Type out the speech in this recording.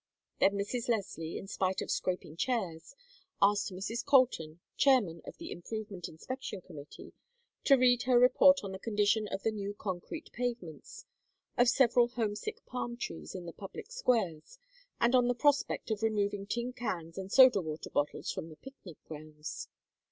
Then Mrs. Leslie, in spite of scraping chairs, asked Mrs. Colton, Chairman of the Improvement Inspection Committee to read her report on the condition of the new concrete pavements, of several homesick palm trees in the public squares, and on the prospect of removing tin cans and soda water bottles from the picnic grounds.